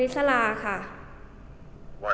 คุณพ่อได้จดหมายมาที่บ้าน